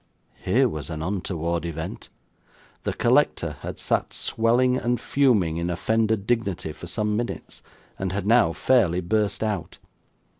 Here was an untoward event! The collector had sat swelling and fuming in offended dignity for some minutes, and had now fairly burst out.